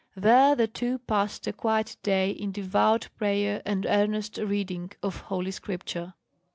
There the two passed a quiet day in devout prayer, and earnest reading of Holy Scripture.